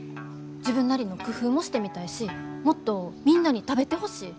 自分なりの工夫もしてみたいしもっとみんなに食べてほしい。